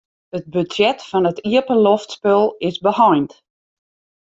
It budzjet fan it iepenloftspul is beheind.